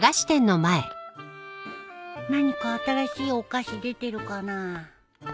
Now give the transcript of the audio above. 何か新しいお菓子出てるかなあ。